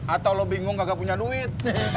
atau lo bingung kagak punya duit